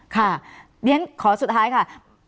ค่ะแล้วฉะนั้นขอสุดท้ายค่ะ